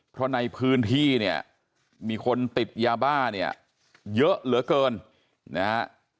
เพราะในพื้นที่เนี่ยมีคนติดยาบ้าเนี่ยเยอะเหลือเกินนะฮะ